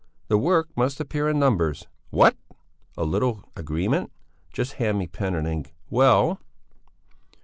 The work must appear in numbers. What? A little agreement. Just hand me pen and ink. Well?"